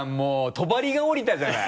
とばりが下りたじゃない。